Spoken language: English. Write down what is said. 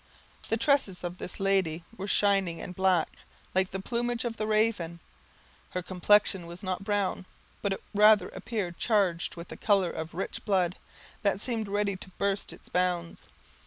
The tresses of this lady were shining and black, like the plumage of the raven. Her complexion was not brown, but it rather appeared charged with the color of the rich blood, that seemed ready to burst its bounds.